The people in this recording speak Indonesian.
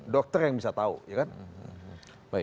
dokter yang bisa tahu ya kan